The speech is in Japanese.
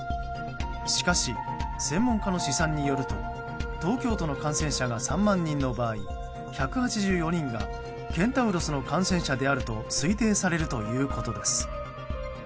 しかし、専門家の試算によると東京都の感染者が３万人の場合、１８４人がケンタウロスの感染者であると推定されるということです。